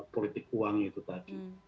politik uang itu tadi